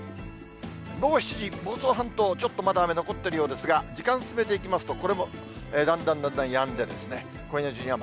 午後７時、房総半島、ちょっと雨残ってるようですが、時間進めていきますと、これもだんだんだんだんやんで、今夜中には。